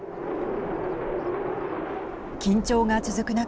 緊張が続く中